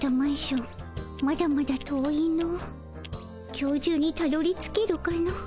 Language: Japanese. きょう中にたどりつけるかの。